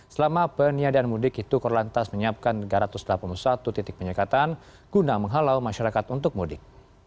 selama peniadaan mudik itu korlantas menyiapkan tiga ratus delapan puluh satu titik penyekatan guna menghalau masyarakat untuk mudik